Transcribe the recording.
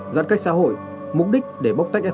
giãn cách xã hội mục đích để bóc tách